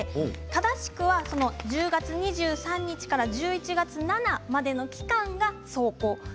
正しくは１０月２３日から１１月７日までの期間が霜降です。